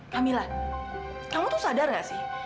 camilla kamu tuh sadar nggak sih